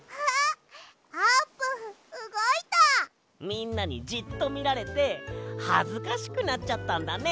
みんなにじっとみられてはずかしくなっちゃったんだね。